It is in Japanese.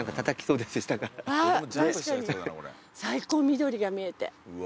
最高緑が見えて。